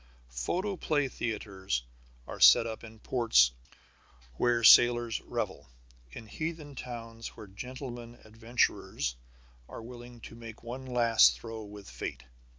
Photoplay theatres are set up in ports where sailors revel, in heathen towns where gentlemen adventurers are willing to make one last throw with fate.